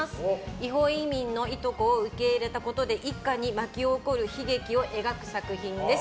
違法移民のいとこを受け入れたことで一家に巻き起こる悲劇を描く作品です。